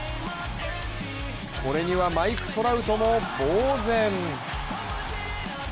これにはマイク・トラウトもぼう然。